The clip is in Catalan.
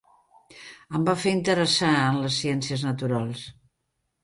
Em va fer interessar en les ciències naturals.